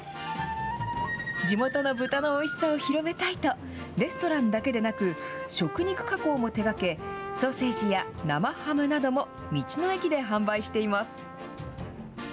地元の豚のおいしさを広めたいと、レストランだけでなく、食肉加工も手がけ、ソーセージや生ハムなども、道の駅で販売しています。